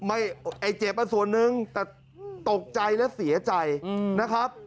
ไอ้เจ็บมาส่วนนึงแต่ตกใจและเสียใจนะครับ